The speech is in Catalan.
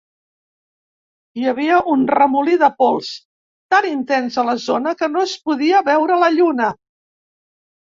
Hi havia un remolí de pols tan intens a la zona que no es podia veure la lluna.